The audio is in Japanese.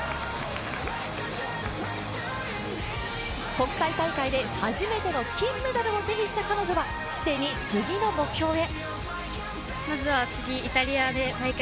国際大会で初めての金メダルを手にした彼女は既に次の目標へ。